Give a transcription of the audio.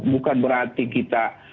bukan berarti kita